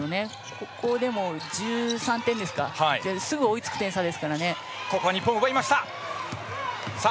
ここで１３点差ですからすぐ追いつく点差ですからね。